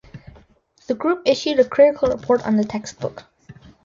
The group issued a critical report on the textbook.